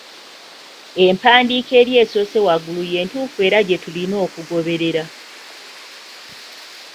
Empandiika eri esoose waggulu y’entuufu era gye tulina okugoberera.